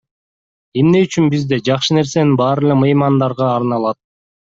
Эмне үчүн бизде жакшы нерсенин баары эле меймандарга арналат?